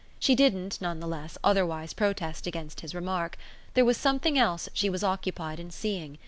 She didn't, none the less, otherwise protest against his remark; there was something else she was occupied in seeing.